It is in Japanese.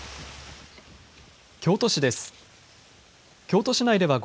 京都市です。